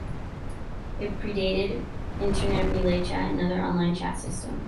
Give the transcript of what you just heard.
It predated Internet Relay Chat and other online chat systems.